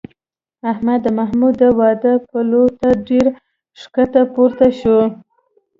احمد د محمود د واده پلو ته ډېر ښکته پورته شو